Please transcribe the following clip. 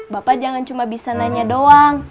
bapak jangan cuma bisa nanya doang